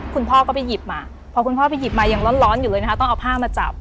คุณพ่อก็ไปหยิบมาพอคุณพ่อไปหยิบมายังร้อนอยู่เลยนะคะต้องเอาผ้ามาจับ